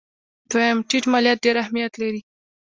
دویم: ټیټ مالیات ډېر اهمیت لري.